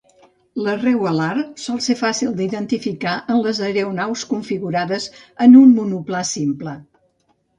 L'arrel alar sol ser fàcil d'identificar en les aeronaus configurades en un monoplà simple.